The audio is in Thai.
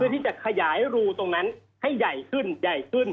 ที่จะขยายรูตรงนั้นให้ใหญ่ขึ้นใหญ่ขึ้น